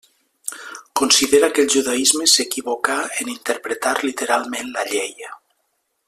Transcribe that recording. Considera que el judaisme s'equivocà en interpretar literalment la Llei.